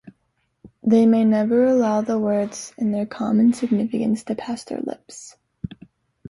They may never allow the words in their common significance to pass their lips.